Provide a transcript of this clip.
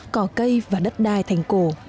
cỏ cây và đất đai thành cổ